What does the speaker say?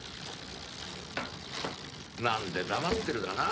なんで黙ってるかな